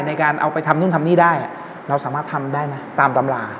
ในการเอาไปทำนู่นทำนี่ได้เราสามารถทำได้ไหมตามตำรา